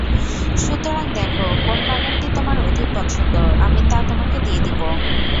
সুতরাং দেখ কোন্ বাগানটি তোমার অধিক পসন্দ, আমি তা তোমাকে দিয়ে দিব।